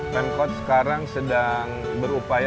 pemkot sekarang sedang berupaya